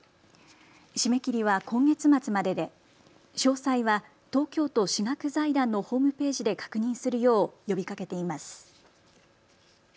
締め切りは今月末までで詳細は東京都私学財団のホームページで確認するよう呼びかけています。